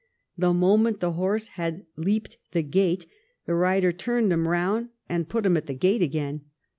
The mo ment the horse had leaped the gate the rider turned him round and put him at the gate again.